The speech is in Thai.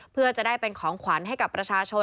เพื่อจะได้เป็นของขวัญให้กับประชาชน